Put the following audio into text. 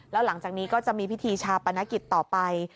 แล้วหลังจากนี้ก็จะมีพิธีชาปนกิจต่อไป